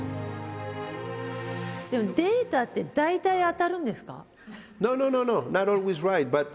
でもデータって大体当たるんですか？